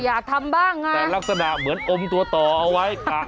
อยากทำบ้างอ่ะแต่ลักษณะเหมือนอมตัวต่อเอาไว้ค่ะ